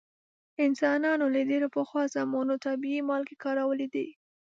انسانانو له ډیرو پخوا زمانو طبیعي مالګې کارولې دي.